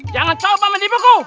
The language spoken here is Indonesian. jangan coba mendibuku